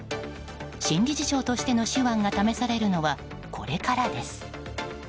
新理事長としての手腕が試されるのはこれからです。